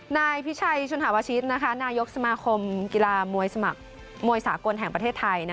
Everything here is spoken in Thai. นายพิชัยชุนหาวชิตนายกสมาคมกีฬามวยสมัครมวยสากลแห่งประเทศไทย